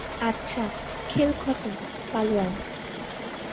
আচ্ছা, খেল খতম, পালোয়ান।